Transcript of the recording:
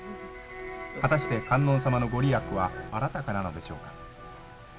果たして観音様のご利益はあらたかなのでしょうか。